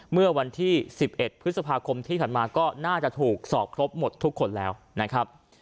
เมื่อวันที่๑๑พฤษภาคมที่ผ่านมาก็น่าจะถูกสอบครบหมดทุกคนแล้วนะครับ